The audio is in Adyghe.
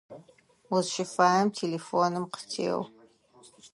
Узщыфаем телефоным къытеу.